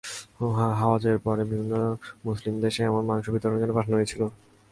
হজের পরে বিভিন্ন মুসলিম দেশে এসব মাংস বিতরণের জন্য পাঠানো হয়েছিল।